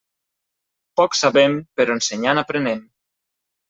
Poc sabem, però ensenyant aprenem.